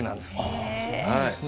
あそうなんですね。